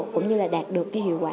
cũng như là đạt được cái hiệu quả